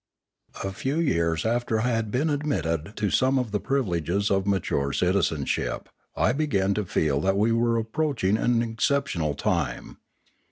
A few years after I had been admitted to some of the privileges of mature citizenship, I began to feel that we were approaching an exceptional time.